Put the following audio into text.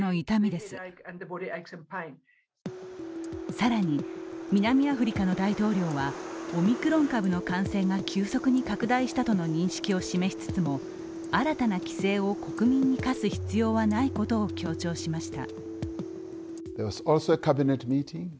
更に、南アフリカの大統領はオミクロン株の感染が急速に拡大したとの認識を示しつつも新たな規制を国民に課す必要はないことを強調しました。